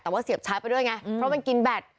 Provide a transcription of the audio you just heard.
แต่ว่าเสียบช้าไปด้วยไงเพราะมันกินแบต